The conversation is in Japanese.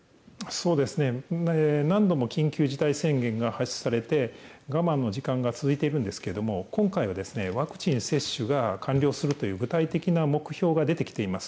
そうですね、何度も緊急事態宣言が発出されて、我慢の時間が続いているんですけれども、今回は、ワクチン接種が完了するという、具体的な目標が出てきています。